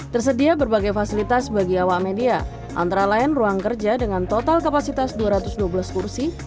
tersedia berbagai fasilitas bagi awak media antara lain ruang kerja dengan total kapasitas dua ratus dua belas kursi